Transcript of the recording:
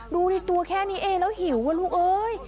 ดูดิตัวแค่นี้เองแล้วหิวอ่ะลูกเอ้ย